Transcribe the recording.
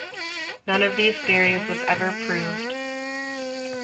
None of these theories was ever proved.